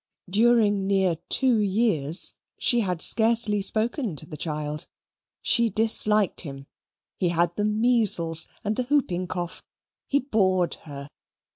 During near two years she had scarcely spoken to the child. She disliked him. He had the measles and the hooping cough. He bored her.